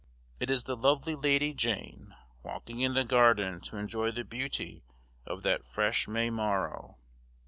It is the lovely Lady Jane, walking in the garden to enjoy the beauty of that "fresh May morrowe."